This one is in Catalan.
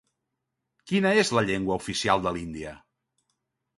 Quina és la llengua oficial de l'Índia?